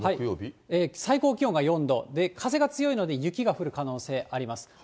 最高気温が４度、風が強いので、雪が降る可能性あります。